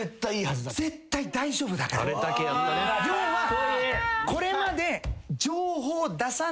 要はこれまで。